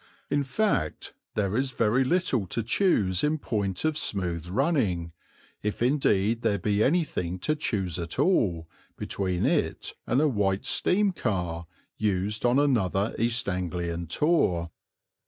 In fact, there is very little to choose in point of smooth running, if indeed there be anything to choose at all, between it and a White steam car, used on another East Anglian tour.